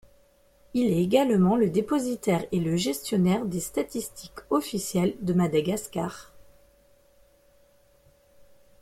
Il est également le dépositaire et le gestionnaire des statistiques officielles de Madagascar.